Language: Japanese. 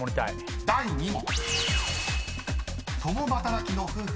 ［第２問］